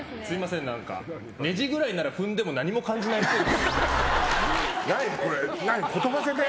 ネジくらいなら踏んでも何も感じないっぽい。